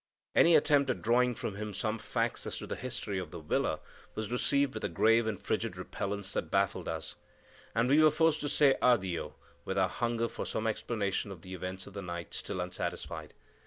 Any attempt at drawing from him some facts as to the history of the villa was received with a grave and frigid repellence that baffled us; and we were forced to say addio with our hunger for some explanation of the events of the night still unsatisfied.